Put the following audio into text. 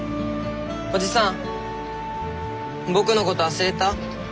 おじさん僕のこと忘れた？